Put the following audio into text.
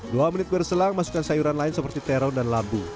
dua menit berselang masukkan sayuran lain seperti terong dan labu